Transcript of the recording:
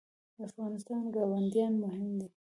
د افغانستان ګاونډیان مهم دي